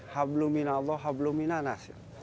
hablu min allah hablu min anas